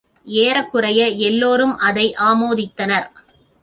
ஏறக்குறைய எல்லோரும் அதை ஆமோதித்தனர்.